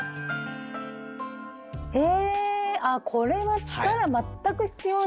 へえあこれは力全く必要ない！